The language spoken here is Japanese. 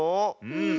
うん。